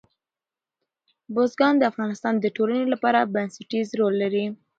بزګان د افغانستان د ټولنې لپاره بنسټیز رول لري.